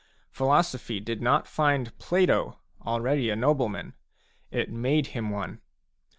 Philosophy did not find Plato already a nobleman ; it made him one.